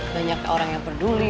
banyak orang yang peduli